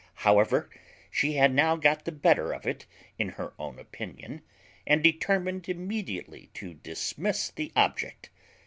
However, she had now got the better of it in her own opinion, and determined immediately to dismiss the object.